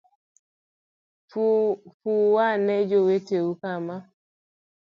Fuwa ne joweteu kama.